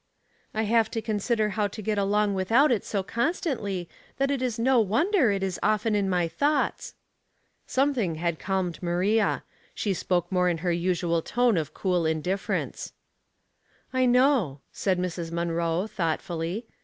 " I have to consider how to get along without it so constantly, that it is no wonder it is often in my thoughts." Something had calmed Maria. She spoke more in her usual tone of cool indif ference. "I know," said Mrs. Munroe, thoughtfully.